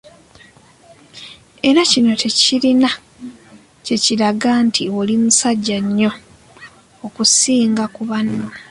Era kino tekirina kye kiraga nti oli "musajja nnyo" okusinga ku banno.